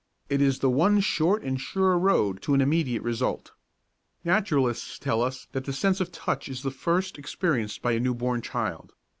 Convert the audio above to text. It is the one short and sure road to an immediate result. Naturalists tell us that the sense of touch is the first experienced by a newborn child.